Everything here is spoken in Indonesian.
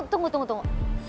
tunggu tunggu tunggu